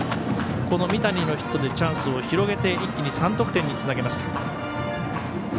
この三谷のヒットでチャンスを広げて一気に３得点につなげました。